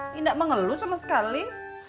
nggak mengeluh sama sekali